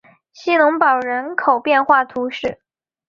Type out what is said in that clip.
希农堡人口变化图示